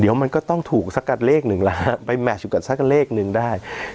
เดี๋ยวมันก็ต้องถูกสักกับเลขหนึ่งแล้วฮะไปแมทอยู่กันสักเลขหนึ่งได้